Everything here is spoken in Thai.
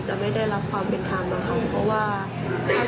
จะไม่ได้รับความเป็นทางมาเขา